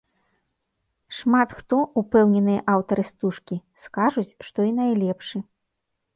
Шмат хто, упэўненыя аўтары стужкі, скажуць, што і найлепшы.